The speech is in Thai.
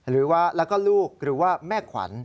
แล้วก็ลูกหรือว่าแม่ขวัญ